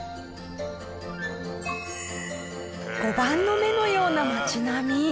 碁盤の目のような街並み。